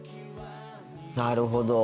なるほど。